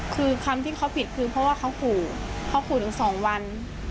คือคำที่เขาผิดคือเพราะว่าเขาขู่เขาขู่ถึงสองวัน